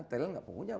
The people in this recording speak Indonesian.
thailand gak punya